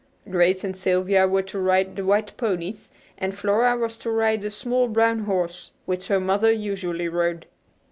Grace and Sylvia were to ride the white ponies, and Flora was to ride a small brown horse which her mother usually rode.